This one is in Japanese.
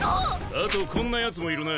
あとこんなヤツもいるな。